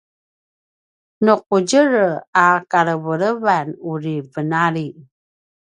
nu ’udjerelj a kalevelevan uri venali